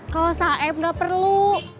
kalo saeb gak perlu